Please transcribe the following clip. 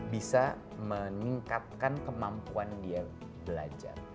bisa meningkatkan kemampuan dia belajar